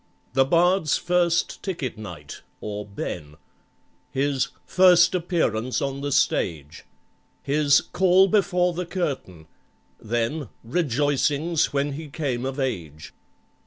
"The bard's first ticket night" (or "ben."), His "First appearance on the stage," His "Call before the curtain"—then "Rejoicings when he came of age."